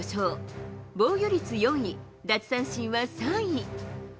防御率４位、奪三振は３位。